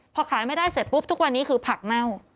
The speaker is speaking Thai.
พอขายไม่ได้เสร็จปุ๊บทุกวันนี้คือผักเน่า